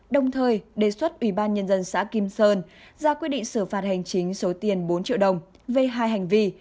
đồng thời đề xuất ủy ban nhân dân xã kim sơn ra quyết định xử phạt hành chính số tiền bốn triệu đồng về hai hành vi